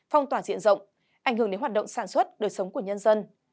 phong tỏa diện rộng ảnh hưởng đến hoạt động sản xuất đời sống của nhân dân